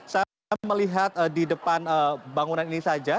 saya melihat di depan bangunan ini saja